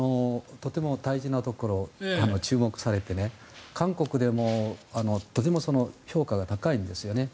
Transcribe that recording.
とても大事なところに注目されて韓国でもとても評価が高いんですよね。